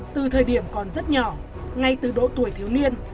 từ thời điểm còn rất nhỏ ngay từ độ tuổi thiếu niên